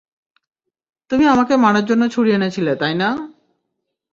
তুমি আমাকে মারার জন্য ছুরি এনেছিলে, তাই না?